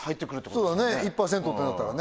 そうだね１％ってなったらね